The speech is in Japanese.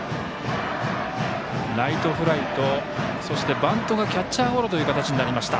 ライトフライと、そしてバントがキャッチャーゴロという形になりました。